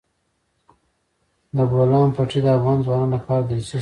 د بولان پټي د افغان ځوانانو لپاره دلچسپي لري.